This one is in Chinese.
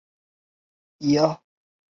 当时奥克兰市只有大约六千人口。